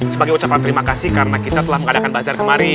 sebagai ucapan terima kasih karena kita telah mengadakan bazar kemarin